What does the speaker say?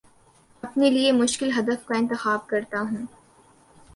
اپنے لیے مشکل ہدف کا انتخاب کرتا ہوں